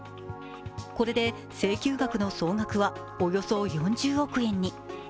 これで請求額の総額はおよそ４０億円に。